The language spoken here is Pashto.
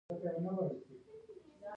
هلته کوچنی ژوبڼ هم شته.